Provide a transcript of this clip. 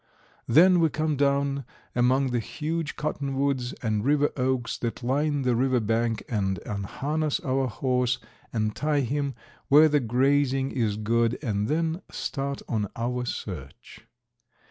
Then we come down among the huge cottonwoods and river oaks that line the river bank and unharness our horse and tie him where the grazing is good and then start on our search.